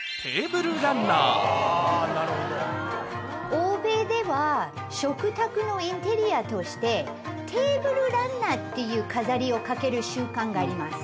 欧米では食卓のインテリアとしてテーブルランナーっていう飾りを掛ける習慣があります。